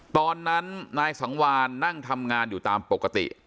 ตอนนั้นนายสังวานนั่งทำงานอยู่ตามปกติ